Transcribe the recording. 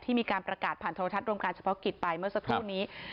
มีการประกาศผ่านโทรทัศน์รวมการเฉพาะกิจไปเมื่อสักครู่นี้